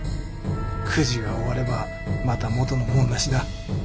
くじが終わればまた元の文無しだ。